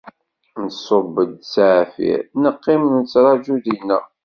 Nṣubb-d s aɛfir, neqqim nettṛaju dinna.